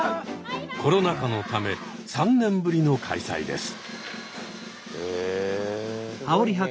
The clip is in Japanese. コロナ禍のため３年ぶりの開催です。